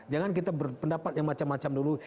jangan kita berpendapat yang macam macam dulu